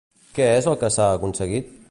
Què és el que s'ha aconseguit?